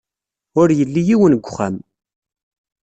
Ur yelli yiwen deg wexxam.